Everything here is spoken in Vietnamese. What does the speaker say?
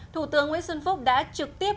thủ tướng nguyễn xuân phúc đã trực tiếp